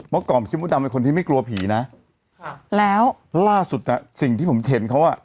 ก่อนพี่มดดำเป็นคนที่ไม่กลัวผีนะค่ะแล้วล่าสุดอ่ะสิ่งที่ผมเห็นเขาอ่ะ